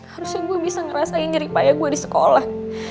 harusnya gue bisa ngerasain nyeri payah gue di sekolah